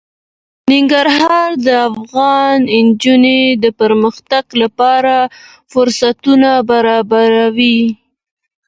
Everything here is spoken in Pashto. ننګرهار د افغان نجونو د پرمختګ لپاره فرصتونه برابروي.